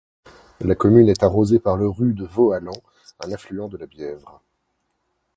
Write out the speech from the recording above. La commune est arrosée par le ru de Vauhallan, un affluent de la Bièvre.